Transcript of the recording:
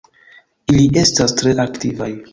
Ili estas tre aktivaj.